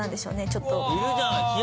ちょっと。